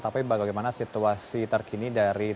tapi bagaimana situasi terkini dari